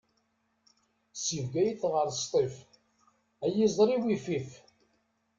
Si Bgayet ɣer Sṭif, ay iẓri-w ifif!